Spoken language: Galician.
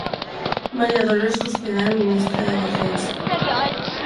María Dolores Cospedal, ministra de Defensa.